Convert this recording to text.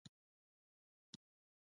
د وربشو کښت د څارویو لپاره دی